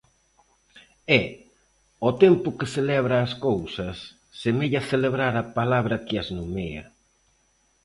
E, ao tempo que celebra as cousas, semella celebrar a palabra que as nomea.